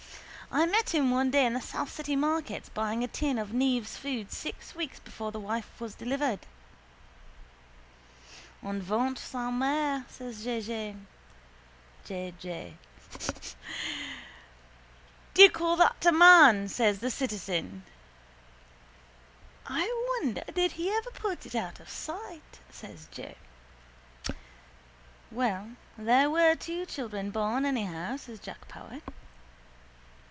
I met him one day in the south city markets buying a tin of Neave's food six weeks before the wife was delivered. —En ventre sa mère, says J. J. —Do you call that a man? says the citizen. —I wonder did he ever put it out of sight, says Joe. —Well, there were two children born anyhow, says Jack Power.